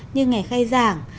như ngày khai giảng